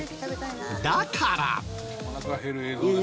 だから。